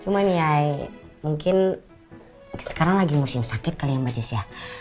cuma nih ya mungkin sekarang lagi musim sakit kali ya mbak jis ya